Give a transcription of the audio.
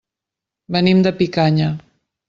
Venim de Picanya.